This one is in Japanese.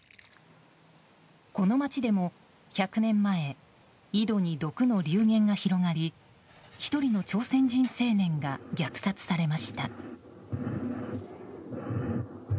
この街でも１００年前井戸に毒の流言が広がり１人の朝鮮人青年が虐殺されました。